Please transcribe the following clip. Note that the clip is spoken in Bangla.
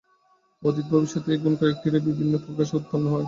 অতীত ও ভবিষ্যৎ এই গুণ কয়েকটিরই বিভিন্ন প্রকাশে উৎপন্ন হয়।